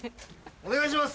お願いします！